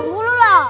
ibu p membilyak